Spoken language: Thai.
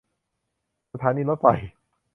สถานีรถไฟ